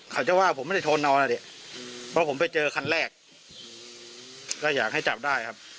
เขาจะว่าผมไม่ได้โทนเอานะดิเพราะผมไปเจอคันแรกก็อยากให้จับได้ครับ